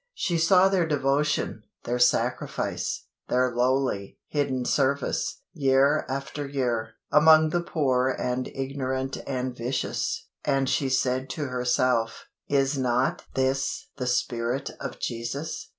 She saw their devotion, their sacrifice, their lowly, hidden service, year after year, among the poor and ignorant and vicious, and she said to herself, "Is not this the Spirit of Jesus?